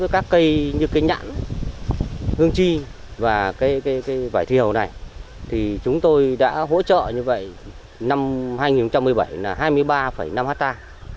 các cây như cây nhãn hương chi và vải thiều này thì chúng tôi đã hỗ trợ như vậy năm hai nghìn một mươi bảy là hai mươi ba năm hectare